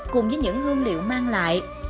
cùng với những hương liệu mang lại